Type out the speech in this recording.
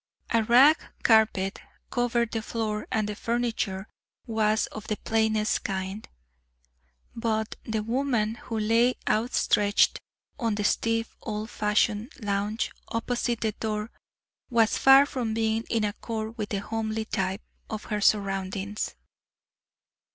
A rag carpet covered the floor and the furniture was of the plainest kind, but the woman who lay outstretched on the stiff, old fashioned lounge opposite the door was far from being in accord with the homely type of her surroundings.